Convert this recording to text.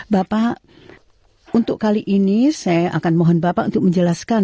bapak untuk kali ini saya akan mohon bapak untuk menjelaskan